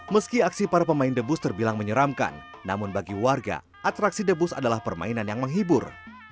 meski aksi para pemain debus terbilang menyeramkan namun bagi warga atraksi debus adalah permainan yang menghibur